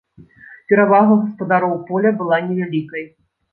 Перавага гаспадароў поля была невялікай.